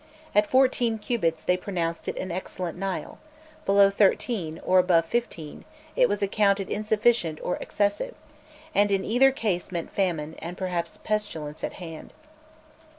At fourteen cubits, they pronounced it an excellent Nile; below thirteen, or above fifteen, it was accounted insufficient or excessive, and in either case meant famine, and perhaps pestilence at hand.